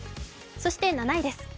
そして７位です。